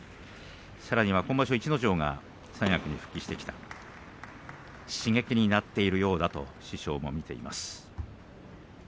さらには今場所、逸ノ城が三役に復帰してきた刺激になっているようだと師匠も見ています。